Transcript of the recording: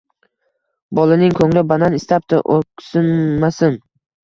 Bolaning koʻngli banan istabdi, oʻksinmasin.